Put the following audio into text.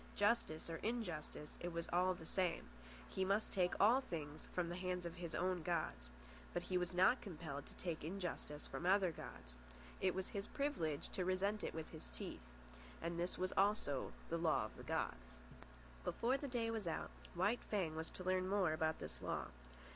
Justice or injustice, it was all the same, he must take all things from the hands of his own gods. But he was not compelled to take injustice from the other gods. It was his privilege to resent it with his teeth. And this also was a law of the gods. Before the day was out, White Fang was to learn more about this law.